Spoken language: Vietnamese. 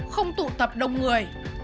không tụ tập đông người